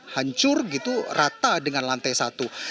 hancur gitu rata dengan lantai satu